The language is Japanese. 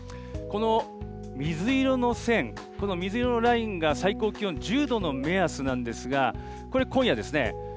この水色の線、この水色のラインが、最高気温１０度の目安なんですが、これ、今夜ですね。